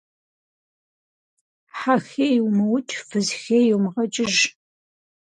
Хьэ хей умыукӏ, фыз хей йумыгъэкӏыж.